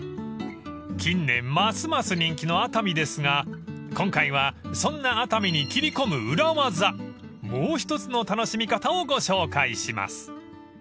［近年ますます人気の熱海ですが今回はそんな熱海に切り込む裏技もう一つの楽しみ方をご紹介します］